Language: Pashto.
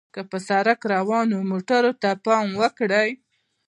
که پر سړک روانو موټرو ته پام وکړئ.